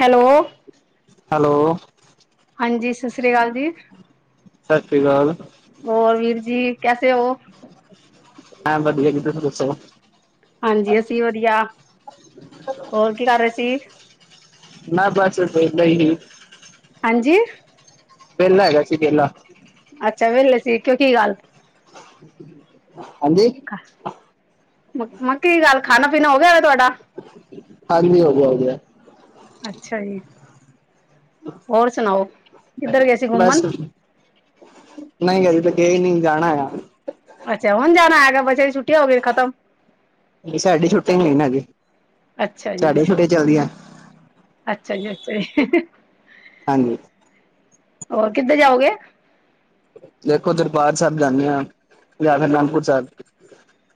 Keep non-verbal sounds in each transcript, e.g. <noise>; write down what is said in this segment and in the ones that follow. Hello. Hello. ਹਾਂਜੀ ਸਤਿ ਸ੍ਰੀ ਅਕਾਲ ਜੀ। ਸਤਿ ਸ਼੍ਰੀ ਅਕਾਲ ਹੋਰ ਵੀਰ ਜੀ ਕੈਸੇ ਹੋ? ਹਾਂ ਵਧੀਆ ਜੀ ਤੁਸੀਂ ਦਸੋ। ਹਾਂਜੀ ਅਸੀਂ ਵਧੀਆ ਹੋਰ ਕੀ ਕਰ ਰਹੇ ਸੀ। ਮੈ ਬਸ ਵਿਹਲਾ ਹੀ ਸੀ ਹਾਂਜੀ ਵਿਹਲਾ ਹੈਗਾ ਸੀ ਵਿਹਲਾ ਅੱਛਾ ਵਹਲੇ ਸੀ ਕਿਉਂ ਕੀ ਗੱਲ <inaudible> ਹਾਂਜੀ ਮੈਂ ਕਿਹਾ ਕੀ ਗੱਲ ਖਾਣਾ ਪੀਣਾ ਹੋ ਗਿਆ ਹੈ ਤੁਹਾਡਾ ਹਾਦੀ ਹੋ ਗਿਆ ਹੋ ਗਿਆ ਅੱਛਾ ਜੀ ਹੋਰ ਸੁਣਾਓ? ਕਿੱਧਰ ਗਏ ਸੀ ਘੁੰਮਣ? ਬੱਸ ਨਹੀਂ <unintelligible> ਨਹੀਂ ਜਾਣਾ ਹੈ। ਅੱਛਾ ਹੁਣ ਜਾਣਾ ਹੈਗਾ ਬੱਚੇ ਦੀ ਛੁੱਟੀ ਹੋ ਗਈ ਖਤਮ ਨਹੀਂ ਸਾਡੀੇ ਛੁੱਟੀ ਨੀ ਨ ਹੈਗੀ ਅੱਛਾ ਜੀ, ਸਾਡੀਆਂ ਛੁੱਟੀਆਂ ਚੱਲਦੀਆਂ ਅੱਛਾ ਜੀ ਅੱਛਾ ਜੀ ਹਾਂਜੀ ਹੋਰ ਕਿੱਧਰ ਜਾਓਗੇ ਦੇਖੋ ਦਰਬਾਰ ਸਾਹਿਬ ਜਾਂਦੇ ਹਾਂ ਜਾਂ ਨੰਦਪੁਰ ਸਾਹਿਬ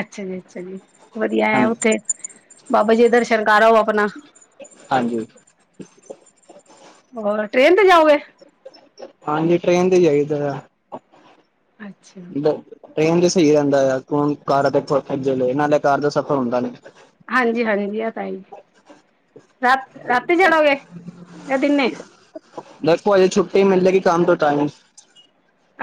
ਅੱਛਾ ਜੀ ਅੱਛਾ ਜੀ ਵਧੀਆ ਹੈ ਹਾਂਜੀ ਉੱਥੇ ਬਾਬਾ ਜੀ ਦਰਸ਼ਨ ਕਰ ਆਓ ਆਪਣਾ ਹਾਂਜੀ ਹੋਰ ਟ੍ਰੇਨ ਤੇ ਜਾਓਗੇ ਹਾਂਜੀ ਟ੍ਰੇਨ ਤੇ ਹੀ ਜਾਇਦਾ <unintelligible> ਅੱਛਾ। ਟ੍ਰੇਨ ਤੇ ਸਹੀ ਰਹਿੰਦਾ ਆ ਹਣ ਕਾਰਾਂ <unintelligible> ਨਾਲੇ ਕਾਰ ਦਾ ਸਫ਼ਰ ਹੁੰਦਾ ਨਹੀ ਹਾਂਜੀ-ਹਾਂਜੀ ਆ ਤਾ ਹੈ ਹੀ ਰਾਤੀ ਚੜੌਗੇ ਯਾ ਦਿਨੇ ਦੇਖੋ ਹਜੇ ਛੁੱਟੀ ਮਿਲੇਗੀ ਕੰਮ ਤੋਂ ਤਾ ਹੀ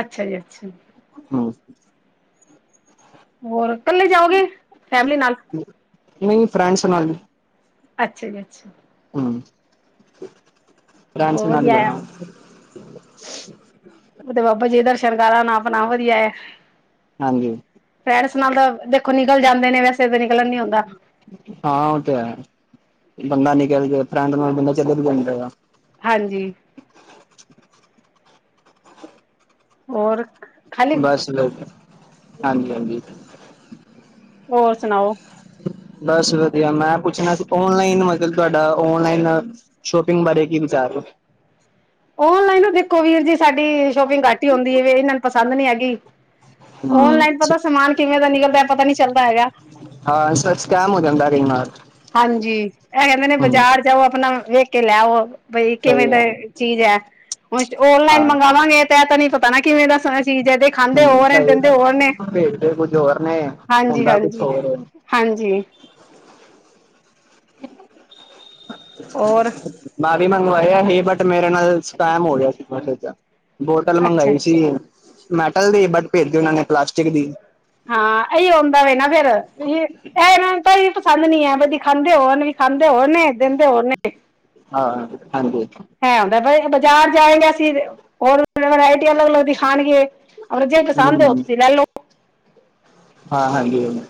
ਅੱਛਾ ਜੀ ਅੱਛਾ ਹਮ ਹੋਰ ਇਕੱਲੇ ਜਾਓਗੇ ਫੈਮਿਲੀ ਨਾਲ ਨਹੀਂ ਫਰੈਂਡਸ ਨਾਲ ਅੱਛਾ ਜੀ ਅੱਛਾ ਹਮ <unintelligible> ਉਹ ਤੇ ਬਾਬਾ ਜੀ ਦਰਸ਼ਨ ਕਰਾਂ ਨਾ ਆਪਣਾ ਵਧੀਆ ਹੈ। ਹਾਂਜੀ ਫੈਰਸ ਨਾਲ ਦਾ ਦੇਖੋ ਨਿਕਲ ਜਾਂਦੇ ਨੇ ਵੈਸੇ ਤਾਂ ਨਿਕਲਣ ਨੀ ਹੁੰਦਾ ਹਾਂ ਉਹ ਤੇ ਹੈ ਬੰਦਾ ਨਿਕਲ ਗਿਆ ਫਰੈਂਡ ਨਾਲ ਬੰਦਾ ਚਲੇ ਵੀ ਜਾਦਾ ਹਾਂਜੀ ਹੋਰ ਖਾਲੀ ਬਸ ਵਧੀਆ ਹਾਂਜੀ-ਹਾਂਜੀ ਹੋਰ ਸੁਣਾਓ ਬਸ ਵਧੀਆ ਮੈਂ ਪੁੱਛਣਾ ਸੀ ਔਨਲਾਈਨ ਤੁਹਾਡਾ ਔਨਲਾਈਨ ਸ਼ੋਪਿੰਗ ਬਾਰੇ ਕੀ ਵਿਚਾਰ ਹੈ ਓਨਲਾਈਨ ਤਾਂ ਦੇਖੋ ਵੀਰ ਜੀ ਸਾਡੀ ਸ਼ੋਪਿੰਗ ਘੱਟ ਹੀ ਹੁੰਦੀ ਹੈ। ਇਹਨਾਂ ਨੂੰ ਪਸੰਦ ਨੀ ਹੈਗੀ ਹੂੰ ਓਨਲਾਈਨ ਪਤਾ ਸਮਾਨ ਕਿਵੇਂ ਦਾ ਨਿਕਲਦਾ ਪਤਾ ਨਹੀਂ ਚੱਲਦਾ ਹੈਗਾ ਹਾਂ ਸਕੈਮ ਹੋ ਜਾਂਦਾ ਕਈ ਵਾਰ ਹਾਂਜੀ <unintelligible> ਨੇ ਹੂੰ ਬਾਜ਼ਾਰ ਜਾਓ ਆਪਣਾ ਵੇਖ ਕੇ ਲੈ ਆਓ ਬਈ ਕਿਵੇਂ ਸਹੀ ਦਾ ਗੱਲ ਹੈ, ਚੀਜ਼ ਹੈ। ਹੁਣ ਓਨਲਾਈਨ ਹਾਂ ਮੰਗਵਾਵਾਂਗੇ ਤਾਂ ਤ ਨ ਪਤਾ ਨਾ ਕਿਵੇਂ ਦਾ ਚੀਜ਼ ਹੈਦੇ ਦਿਖਾਂਦੇ ਹੂੰ ਹੋਰ ਨੇ ਸਹੀ ਦਿੰਦੇ ਗੱਲ ਹੋਰ ਨੇ ਭੇਜਦੇ ਕੁੱਝ ਹੋਰ ਨੇ ਹਾਂਜੀ ਹੁੰਦਾ ਕੁਛ ਹਾਂਜੀ ਹੋਰ ਹੈ ਹਾਂਜੀ ਹੋਰ <inaudible> ਮੈਂ ਵੀ ਮੰਗਵਾਇਆ ਸੀ ਬਟ ਮੇਰੇ ਨਾਲ ਸਕੈਮ ਹੋ ਗਿਆ ਸੀ ਬੋਟਲ ਅੱਛਾ ਮੰਗਵਾਈ ਸੀ। ਅੱਛਾ। ਮੈਟਲ ਦੀ ਬੱਟ ਭੇਜਦੇ ਉਹਨਾਂ ਨੇ ਪਲਾਸਟਿਕ ਦੀ ਹਾਂ ਇਹੀ ਹੁੰਦਾ ਨਾ ਫਿਰ ਇਹਨਾਂ ਨੂੰ ਤਾਂਹੀ ਪਸੰਦ ਨੀ ਹੈ ਦਿਖਾਂਦੇ ਹੋਰ ਹੈ ਦਿਖਾਂਦੇ ਹੋਰ ਹੈ ਦਿੰਦੇ ਹੋਰ ਨੇ। ਹਾਂ, ਹਾਂ ਹਾਂਜੀ। ਹੈ ਹੁਦਾ ਬਾਜ਼ਾਰ ਜਾਏਗਾ ਅਸੀਂ ਹੋਰ ਵਰਾਇਟੀ ਅਲੱਗ, ਅਲੱਗ ਦਿਖਾਣਗੇ ਜਿਹੜੀ ਪਸੰਦ ਉਹ ਹੂੰ ਤੁਸੀਂ ਲੈ ਲਓ। ਹਾਂ ਹਾਂਜੀ।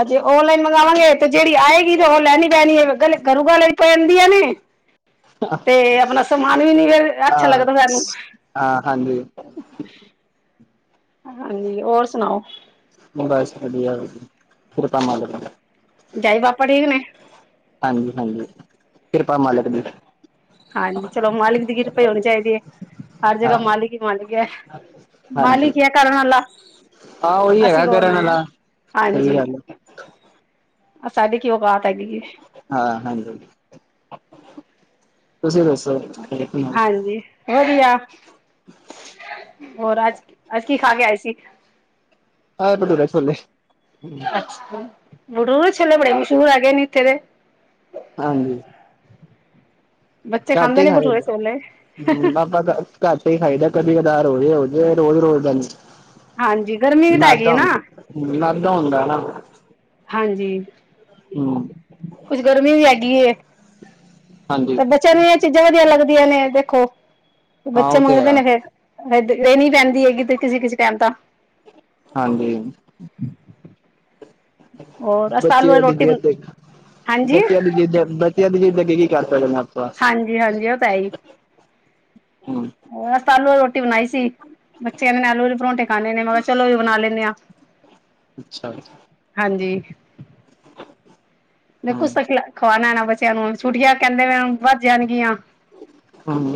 ਅੱਜੇ ਔਨਲਾਈਨ ਮੰਗਵਾਵਾਂਗੇ ਤੇ ਜਿਹੜੀ ਆਏਗੀ ਤੇ ਉਹ ਲੈਣੀ ਪਹਿਣੀ ਏ ਘਰੋ ਗਾਲਾ ਪੈਦੀਆਂ ਨੇ ਤੇ ਆਪਣਾ ਸਮਾਨ ਵੀ ਨੀ ਫਿਰ ਅੱਛਾ ਹਾਂ ਲੱਗਦਾ ਸਾਨੂੰ। ਹਾਂ ਹਾਂਜੀ। ਹਾਂਜੀ ਹੋਰ ਸੁਣਾਓ? ਬਸ ਵਧੀਆ <unintelligible> <unintelligible> ਪਾਪਾ ਠੀਕ ਨੇ। ਹਾਂਜੀ, ਹਾਂਜੀ। <unintelligible> ਹਾਂਜੀ ਚਲੋ ਮਾਲਿਕ ਦੀ ਕਿਰਪਾ ਈ ਹੋਣੀ ਚਾਹੀਦੀ ਹੈ ਹਰ ਹਾਂ ਜਗ੍ਹਾ ਮਾਲਿਕ ਹੀ ਮਾਲਿਕ ਹੈ। ਹਾਂਜੀ ਮਾਲਿਕ ਹੀ ਕਰਨ ਵਾਲਾ ਹਾਂ ਉਹੀ ਅਸੀਂ ਹੈਗਾ ਕੌਣ ਕਰਨ ਆ ਵਾਲਾ ਸਹੀ ਹਾਂਜੀ। ਗੱਲ ਹੈ ਸਾਡੀ ਕੀ ਔਕਾਤ ਹੈਗੀ ਏ। ਹਾਂ ਹਾਂਜੀ ਤੁਸੀਂ ਦੱਸੋ ਹੋਰ <unintelligible> ਹਾਂਜੀ ਵਧੀਆ ਹੋਰ ਅੱਜ, ਅੱਜ ਕੀ ਖਾ ਕੇ ਆਏ ਸੀ। <unintelligible> ਭਟੂਰੇ ਛੋਲੇ ਅੱਛਾ ਭਡੂਰ ਛੋਲੇ ਬੜੇ ਮਸ਼ਹੂਰ ਹੈਗੇ ਨੇ ਇੱਥੇ ਦੇ। ਹਾਂਜੀ। ਬੱਚੇ <unintelligible> ਘਰ ਖਾਂਦੇ ਨੇ ਭਟੂਰੇ ਛੋਲੇ ਹੀ ਖਾਈਦਾ ਕਦੀ ਕਦਾਾਰ ਹੋਜਾਏ, ਹੋਜਾਏ ਰੋਜ਼ ਰੋਜ਼ਦਾ ਨਹੀ। ਹਾਂਜੀ ਗਰਮੀ ਵੀ ਤਾਂ ਹੈਗੀ ਮੈਦਾ ਨਾ ਹੁੰ ਮੈਦਾ ਹੁੰਦਾ ਨਾ। ਹਾਂਜੀ। ਹੂ। ਕੁਛ ਗਰਮੀ ਵੀ ਹੈਗੀਏ ਹਾਂਜੀ ਤਾਂ ਬੱਚਿਆਂ ਨੂੰ ਚੀਜ਼ਾਂ ਵਧੀਆ ਲੱਗਦੀਆਂ ਨੇ ਦੇਖੋ ਹਾਂ ਬੱਚੇ ਉਹ ਤੇ ਮੰਗਦੇ ਹੈ ਨੇ ਫੇਰ ਦੇਣੀ ਪੈਂਦੀ ਏ ਕਿਸੇ, ਕਿਸੇ ਟਾਈਮ ਤਾਂ ਹਾਂਜੀ। ਹੋਰ ਅਸੀਂ ਤਾਂ ਆਲੂ ਵਾਲੀ ਬੱਚੀਆ ਦੀ ਰੋਟੀ ਬਣ ਜਿਦ ਹਾਂਜੀ ਬੱਚੀਆਂ ਦੀ ਜਿਦ ਅੰਦਰ ਬਚਿਆ ਦੀ ਜਿੱਦ ਅੱਗੇ ਕੀ ਕਰ ਸਕਦੇ ਆਪਾਂ ਹਾਂਜੀ ਹਾਂਜੀ ਉਹ ਹੋਰ ਅਸੀ ਤਾ ਆਲੂ ਵਾਲੀ ਰੋਟੀ ਬਣਾਈ ਸੀ ਬੱਚਿਆ ਨੇ ਆਲੂ ਵਾਲੇ ਪਰੋਂਂਠੇ ਖਾਂਣੇ ਨੇ ਮੈਂ ਕਿਹਾ ਚਲੋ ਉਹ ਹੀ ਬਣਾ ਲੈਂਦੇ ਹਾਂ ਅੱਛਾ ਹਾਂਜੀ। ਦੇ ਹੂੰ ਕੁਛ ਤਾਂ ਖਵਾਉਣਾ ਨਾ ਬੱਚਿਆਂ ਨੂੰ ਛੁੱਟੀਆਂ ਕਹਿੰਦੇ ਵੱਧ ਜਾਣਗੀਆਂ। ਹਮ।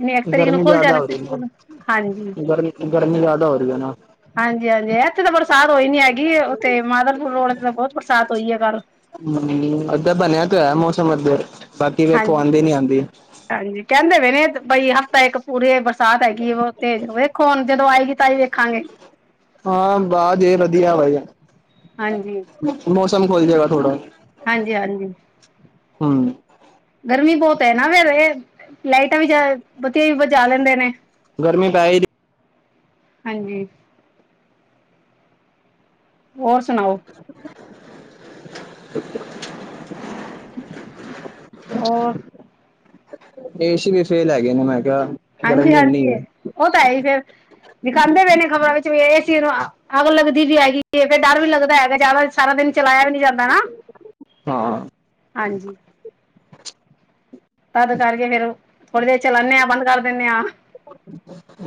ਨਹੀਂ ਇੱਕ ਤਰੀਕ ਨੂੰ ਗਰਮੀ ਖੁੱਲ ਜਿਆਦਾ ਜਾਣਾ ਹੋ ਸੀ ਰਹੀ ਨਾ ਸਕੂਲ ਹਾਂਜੀ ਗਰਮੀ ਗਰਮੀ ਜ਼ਿਆਦਾ ਹੋ ਰਹੀ ਹੈ ਨਾ। ਹਾਂਜੀ, ਹਾਂਜੀ ਇੱਥੇ ਤਾਂ ਬਰਸਾਤ ਹੋਈ ਨੀ ਹੈਗੀ ਉੱਥੇ ਮਾਧਲਪੁਰ ਰੋਡ ਤਾਂ ਬਹੁਤ ਬਰਸਾਤ ਹੋਈ ਹੈ ਕੱਲ੍ਹ। ਹ ਅਗੇ ਬਣਿਆ ਤੇ ਹੋਇਆ ਮੌਸਮ ਅਗੇ ਬਾਕੀ ਵੇਖੋ ਹਾਂਜੀ ਆਉਂਦੀ ਨੀ ਆਉਂਦੀ। ਹਾਂਜੀ ਕਹਿੰਦੇ ਵੀ ਨੇ ਬਈ ਹਫ਼ਤਾ ਇੱਕ ਪੂਰੇ ਬਰਸਾਤ ਹੈਗੀ ਉਹ ਤੇਜ ਦੇਖੋ ਹੁਣ ਜਦੋਂ ਆਏਗੀ। ਤਾ ਹੀ ਵੇਖਾਗੇ। ਹਾਂ ਬਾਅਦ <unintelligible> ਹਾਂਜੀ। ਮੌਸਮ ਖੁਲ ਜਾਏਗਾ ਥੋੜਾ। ਹਾਂਜੀ, ਹਾਂਜੀ। ਹਮ। ਗਰਮੀ ਬਹੁਤ ਨਾ ਫਿਰ ਇਹ ਲਾਈਟਾਂ ਵੀ ਵਧੀਆ ਬੁਜਾ ਲੈਂਦੇ ਨੇ। ਗਰਮੀ ਪੈ ਹੀ ਰਹੀ ਹੈ ਹਾਂਜੀ। ਹੋਰ ਸੁਣਾਓ? <inaudible> ਹੋਰ ਏਸੀ ਵੀ ਫੇਲ ਹੈਗੇ ਨੇ ਮੈਂ ਕਿਹਾ ਗਰਮੀ ਇੰਨੀ ਹਾਂਜੀ-ਹਾਂਜੀ। ਹੈ। ਉਹ ਤਾਂ ਐ ਈ ਫੇਰ ਦਿਖਾਂਦੇ ਪਏ ਨੇ ਖ਼ਬਰਾਂ ਵਿੱਚ ਵੀ ਏਸ ਚੀਜ਼ ਨੂੰ ਅ ਅੱਗ ਲੱਗਦੀ ਨੀ ਹੈਗੀ। ਤੇ ਫਿਰ ਡਰ ਵੀ ਲੱਗਦਾ ਹੈਗਾ ਜ਼ਿਆਦਾ ਸਾਰਾ ਦਿਨ ਚਲਾਇਆ ਵੀ ਨੀ ਜਾਂਦਾ ਨਾ। ਹਾਂ, ਹਾਂਜੀ। ਤਦ ਕਰਕੇ ਫੇਰ ਥੋੜ੍ਹੀ ਦੇਰ ਚਲਾਣੇ ਆ ਬੰਦ ਕਰ ਦਿਨੇ ਆ।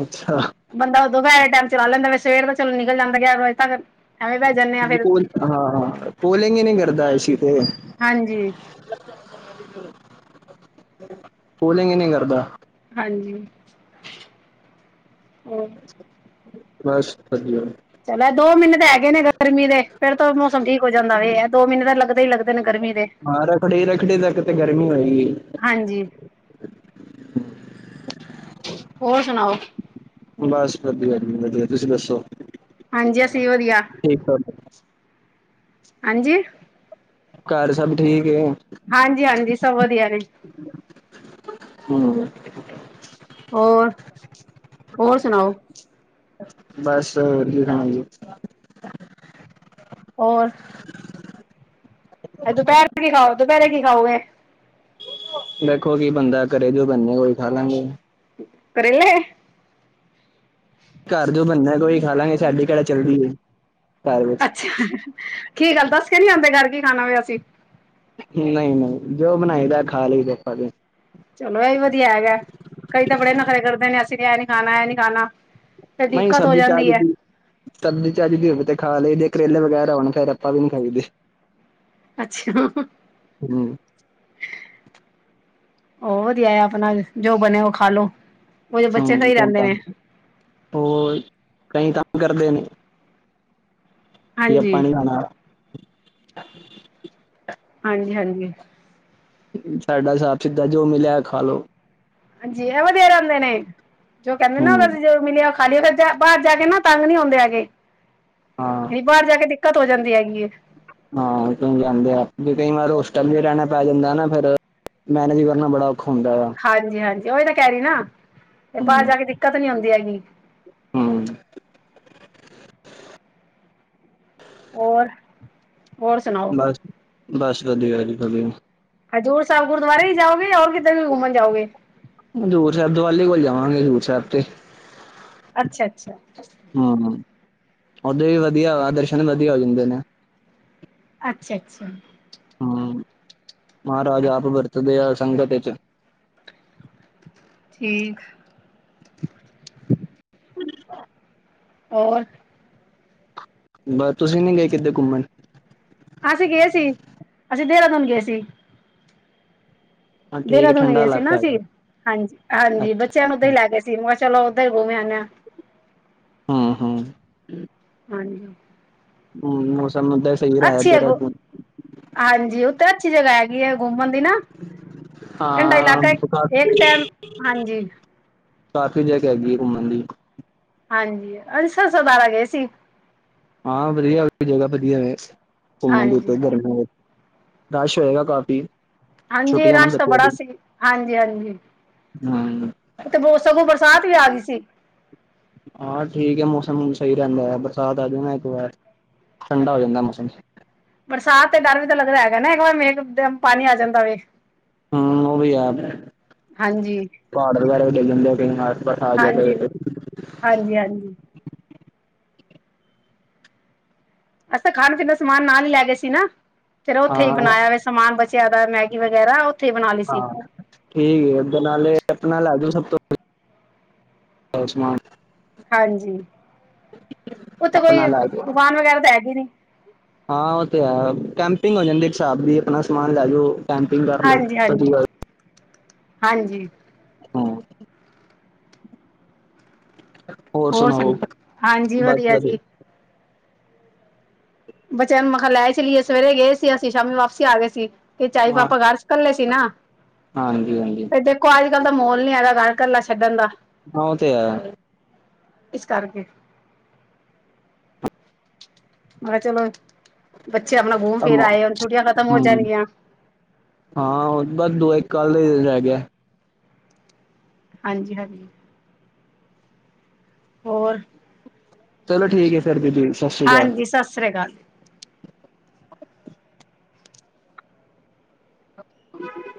ਅੱਛਾ। ਬੰਦਾ ਥੋੜਾ ਜਾ ਟੈਮ ਚਲਾ ਲੈਂਦਾ ਮੈਂ ਸਵੇਰ ਤਾਂ ਚਲੋ ਨਿਕਲ ਜਾਂਦਾ <unintelligible> ਜਾਂਨੇ ਆ ਫੇਰ। ਕੂਲ ਹਾਂ ਕੂਲਿੰਗ ਈ ਨੀ ਕਰਦਾ ਏ ਸੀ ਤੇ ਹਾਂਜੀ। ਕੂਲਿੰਗ ਈ ਨੀ ਕਰਦਾ। ਹਾਂਜੀ ਹੋਰ। ਬਸ ਵਧੀਆ। ਚਲੋ ਦੋ ਮਹੀਨੇ ਤਾਂ ਹੈਗੇ ਨੇ ਗਰਮੀ ਦੇ ਫੇਰ ਤਾਂ ਮੌਸਮ ਠੀਕ ਹੋ ਜਾਂਦਾ ਏ ਐਹ ਦੋ ਮਹੀਨੇ ਤਾਂ ਲੱਗਦੇ ਈ ਲੱਗਦੇ ਨੇ ਗਰਮੀ ਦੇ ਹਾਂ ਰੱਖੜੀ ਰੱਖੜੀ ਤੱਕ ਤੇ ਗਰਮੀ ਹੋਏਗੀ। ਹਾਂਜੀ। ਹੋਰ ਸੁਣਾਓ? ਬਸ ਵਧੀਆ ਜੀ ਵਧੀਆ। ਤੁਸੀਂ ਦੱਸੋ? ਹਾਂਜੀ ਅਸੀਂ ਵੀ ਵਧੀਆ। ਠੀਕ ਠਾਕ ਹਾਂਜੀ ਘਰ ਸਭ ਠੀਕ ਏ? ਹਾਂਜੀ ਹਾਂਜੀ ਸਭ ਵਧੀਆ ਨੇ। ਹੂੰ ਹੋਰ, ਹੋਰ ਸੁਣਾਓ? ਬਸ ਵਧੀਆ <unintelligible> ਹੋਰ <inaudible> ਦੁਪੈਰੇ ਕੀ ਖਾਓ ਦੁਪਹਿਰੇ ਕੀ ਖਾਓਗੇ? ਦੇਖੋ ਕੀ ਬੰਨਦਾ ਘਰੇ ਜੋ ਬੰਨਣਾ ਓਹੀ ਖਾਲਾਂਗੇ। ਕਰੇਲੇ ਘਰ ਜੋ ਬੰਨਣਾ ਓਹੀ ਖਾਲਾਂਗੇ, ਸਾਡੀ ਕੇਹੜਾ ਚੱਲਦੀ ਏ ਘਰ ਵਿਚ। ਕੀ ਗੱਲ ਦੱਸ ਕੇ ਨੀ ਆਦੇ ਘਰ ਕੀ ਖਾਣਾ <unintelligible> ਅਸੀਂ। ਨਹੀਂ ਨਹੀਂ ਜੋ ਬਣਾਈਦੈ ਖਾ ਲਈ ਦੇ ਆਪਾਂ ਤੇ। ਚਲੋ ਏਹ ਵੀ ਵਧੀਆ ਹੈਗਾ ਕਈ ਤਾਂ ਬੜੇ ਨਖਰੇ ਕਰਦੇ ਨੇ ਅਸੀਂ ਨੇ ਏਹ ਨੀ ਖਾਣਾ ਏਹ ਨੀ ਖਾਣਾ। ਫਿਰ ਨਹੀਂ ਦਿਕਤ ਹੋ ਸਬਜ਼ੀ ਜਾਂਦੀ ਚੱਜ ਐ। ਦੀ ਸਬਜ਼ੀ ਚੱਜ਼ ਦੀ ਹੋਵੇ ਤੇ ਖਾ ਲਈਦੇ ਕਰੇਲੇ ਵਗੈਰਾ ਹੋਣ ਫੇਰ ਆਪਾਂ ਵੀ ਨਹੀ ਖਾਈਦੇ। ਅੱਛਾ। ਹੂੰ <unintelligible> ਵਧੀਆ ਆਪਣਾ ਜੋ ਬਣਿਆ ਉਹ ਖਾਲੋ। ਹੂੰ <unintelligible> ਹੋਰ ਕਈ ਤੰਗ ਕਰਦੇ ਨੇ। ਕਿ ਹਾਂਜੀ ਆਪਾਂ ਨਹੀ ਖਾਨਾ। ਹਾਂਜੀ ਹਾਂਜੀ। ਸਾਡਾ ਸਾਬ ਸਿੱਧਾ ਜੋ ਮਿਲਿਆ ਖਾਲੋ। ਹਾਂਜੀ ਐਹ ਵਧੀਆ ਰਹਿੰਦੇ ਨੇ ਜੋ ਕਹਿੰਦੇ ਹੂੰ ਨਾ <unintelligible> ਮਿਲਿਆ ਖਾਲੀਏ ਫਿਰ ਬਾਹਰ ਜਾ ਕੇ ਨਾ ਤੰਗ ਨੀ ਹੁੰਦੇ ਹੈਗੇ ਹਾਂ ਬਾਹਰ ਜਾ ਕੇ ਦਿਕ ਦਿੱਕਤ ਹੋ ਜਾਂਦੀ ਹੈਗੀ ਏ। ਹਾਂ <unintelligible> ਜਾਂਦੇ ਆ ਵੀ ਕਈ ਵਾਰ ਹੋਸਟਲ ਵੀ ਰਹਿਣਾ ਪੈ ਜਾਂਦੈ ਨਾ ਫਿਰ ਮੈਨੇਜ ਵੀ ਕਰਨਾ ਬੜਾ ਔਖਾ ਹੁੰਦਾ ਆ। ਹਾਂਜੀ ਹਾਂਜੀ, ਉਹੀ ਤਾਂ ਕਹਿ ਰਹੀ ਨਾ ਤੇ ਬਾਹਰ ਹੂੰ ਜਾ ਕੇ ਦਿੱਕਤ ਨੀ ਹੁੰਦੀ ਹੈਗੀ। ਹੂੰ। ਹੋਰ, ਹੋਰ ਸੁਣਾਓ। ਬਸ-ਬਸ ਵਧੀਆ ਜੀ ਵਧੀਆ। ਹਜ਼ੂਰ ਸਾਹਿਬ ਗੁਰਦੁਆਰੇ ਹੀ ਜਾਓਗੇ ਔਰ ਕਿਧਰ ਵੀ ਘੁੰਮਣ ਜਾਓਗੇ। ਹਜ਼ੂਰ ਸਾਹਿਬ ਦਿਵਾਲੀ ਕੋਲ ਜਾਵਾਂਗੇ। ਹਜ਼ੂਰ ਸਾਹਿਬ ਤੇ ਅੱਛਾ-ਅੱਛਾ। ਹੂੰ ਉਦੇ ਵੀ ਵਧੀਆ। ਦਰਸ਼ਨ ਵਧੀਆ ਹੋ ਜਾਂਦੇ ਨੇ। ਅੱਛਾ- ਅੱਛਾ। ਹੂੰ ਮਹਾਰਾਜ ਆਪ ਵਰਤਦੇ ਆ ਸੰਗਤ ਚ। ਠੀਕ। <inaudible> ਹੋਰ। ਬਸ ਤੁਸੀਂ ਨੀ ਗਏ ਕਿੱਦੇ ਘੁੰਮਣ। ਅਸੀਂ ਗਏ ਸੀ। ਅਸੀਂ ਦੇਹਰਾਦੂਨ ਗਏ ਸੀ। ਹਾਂ ਠੀਕ ਹੈ ਦੇਹਰਾਦੂਨੀ ਠੰਡਾ ਗਏ ਸੀ। ਨਾ ਇਲਾਕਾ ਅ ਹੈਗਾ ਹਾਂਜੀ, ਹਾਂਜੀ ਅੱਛਾ ਬੱਚਿਆਂ ਨੂੰ ਉੱਦਾਂ ਹੀ ਲੈ ਗਏ ਸੀ ਮੈਂ ਚਲੋ ਉਦਾਂ ਹੀ ਗੁੰਮਦੇ ਹਾਂ। ਹਾਂ ਹਾਂ। ਹਾਂਜੀ। ਹੋਰ ਮੌਸਮ ਉੱਧਰ ਸਹੀ ਹੈ ਦੇਹਰਾਦੂਨ। ਹਾਂਜੀ, ਉੱਥੇ ਅੱਛੀ ਜਗ੍ਹਾ ਹੈਗੀ ਹੈ। ਘੁੰਮਣ, ਦੀ ਨਾ ਠੰਡਾ ਇਲਾਕਾ ਹਾਂ ਇੱਕ ਟਾਈਮ ਹਾਂਜੀ <unintelligible> ਕਾਫ਼ੀ ਜਗ੍ਹਾ ਹੈਗੀ ਹੈ ਘੁੰਮਣ ਦੀ। ਹਾਂਜੀ <unintelligible> ਗਏ ਸੀ। ਹਾਂ ਵਧੀਆ ਜਗ੍ਹਾ ਵਧੀਆ ਘੁੰਮਣ ਦੇ ਹਾਂਜੀ ਉੱਤੇ ਗਰਮੀਆਂ, ਰਸ਼ ਹੋਏਗਾ ਕਾਫੀ। ਹਾਂਜੀ, ਰਸ਼ ਤਾਂ ਬੜਾ ਸੀ ਹਾਂਜੀ, ਹਾਂਜੀ। ਹੂੰ ਤੇ ਸਗੋਂ ਬਰਸਾਤ ਵੀ ਆ ਗਈ ਸੀ। ਹਾਂ ਠੀਕ ਹੈ ਮੌਸਮ ਸਹੀ ਰਹਿੰਦਾ ਹੈ ਬਰਸਾਤ ਆ ਜਾਣਾ ਇੱਕ ਵਾਰ ਠੰਡਾ ਹੋ ਜਾਂਦਾ ਮੌਸਮ। ਬਰਸਾਤ ਤੇ ਡਰ ਵੀ ਤਾਂ ਲੱਗਦਾ ਹੈਗਾ। ਨਾ ਇੱਕ ਵਾਰ ਮੇਘ ਪਾਣੀ ਆ ਜਾਂਦਾ <unintelligible> ਹਾ ਉਹ ਵੀ ਹੈ ਹਾਂਜੀ, ਪਹਾੜ ਵਗੈਰਾ ਵੀ ਡੀਗ ਜਾਦੇ ਨੇ। ਹਾਂਜੀ, ਹਾਂਜੀ, ਹਾਂਜੀ। ਅੱਛ ਤਾਂ ਖਾਣ, ਪੀਣ ਦਾ ਸਮਾਨ ਨਾਲ ਹੀ ਲੈ ਗਏ ਸੀਨਾ। ਫੇਰ ਉੱਥੇ ਹੀ ਹਾਂ ਬਣਾਇਆ ਵ ਸਮਾਨ ਬਚਿਆ ਦਾ ਮੈਗੀ ਵਗੈਰਾ ਉੱਥੇ ਹੀ ਬਣਾ ਲਈ ਸੀ। ਹਾਂ ਠੀਕ ਹੈ, ਓਦਾਂ ਨਾਲ ਆਪਣਾ ਲੈ ਜੋ ਸਭ ਤੋਂ ਸਮਾਨ। ਹਾਂਜੀ, ਉੱਥੇ ਆਪਣਾ ਕੋਈ ਲੈ ਜਾਓ ਦੁਕਾਨ ਵਗੈਰਾ ਤਾਂ ਹੈਗੀ ਨੀ। ਹਾਂ ਉਹ ਤੇ ਹੈ ਕੈਂਪਿੰਗ ਹੋ ਜਾਂਦੀ ਇੱਕ ਹਿਸਾਬ ਦੀ ਆਪਣਾ ਸਮਾਨ ਲੈ ਜਾਓ। ਕੈਂਪਿੰਗ ਕਰ ਲਓ ਹਾਂਜੀ, ਹਾਂਜੀ, ਵਧੀਆ ਹਾਂਜੀ। ਹਾਂ। ਹੋਰ ਸੁਣਾਓ ਹਾਂਜੀ ਵਧੀਆ ਜੀ। ਬੱਚਿਆਂ ਨੂੰ ਮਖਾ ਲੈ ਚਲੀਏ ਸਵੇਰੇ ਗਏ ਸੀ ਅਸੀਂ ਸ਼ਾਮੀ ਵਾਪਸੀ ਆ ਗਏ ਸੀ। ਫਿਰ ਚਾਈ ਹਾਂ ਪਾਪਾ ਘਰ ਇਕੱਲੇ ਸੀ ਨਾ। ਹਾਂਜੀ ਹਾਂਜੀ ਤੇ ਕਿਉਂਕਿ ਅੱਜ ਕੱਲ ਦਾ ਮੋਲ ਨੀ ਹੈਗਾ ਘਰ ਕਲਾ ਛੱਡਣ ਦਾ। ਹਾ ਉਹ ਤੇ ਆ। ਇਸ ਕਰਕੇ। ਮੈਂ ਕਿਹਾ ਚਲੋ ਬੱਚੇ ਆਪਣਾ ਘੁੰਮ ਫਿਰ ਹਮ ਆਏ ਹੁਣ ਛੁੱਟੀਆਂ ਖਤਮ ਹੋ ਜਾਣਗੀਆਂ। ਹਾਂ ਬੱਸ ਦੁ ਇੱਕ ਕੱਲ ਦਾ ਹੀ ਦਿਨ ਰੈ ਗਿਆ। ਹਾਂਜੀ- ਹਾਂਜੀ। ਹੋਰ, ਚਲੋ ਠੀਕ ਹੈ ਫਿਰ ਦੀਦੀ ਸਤਿ ਸ਼੍ਰੀ ਹਾਂਜੀ, ਅਕਾਲ ਸਤਿ ਸ੍ਰੀ ਅਕਾਲ। <inaudible>